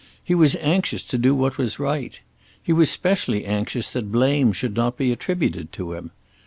He was anxious to do what was right. He was specially anxious that blame should not be attributed to him.